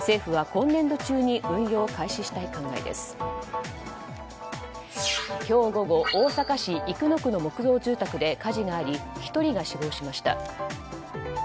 今日午後、大阪市生野区の木造住宅で火事があり１人が死亡しました。